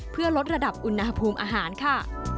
เพื่อลดระดับอุณหภูมิอาหารค่ะ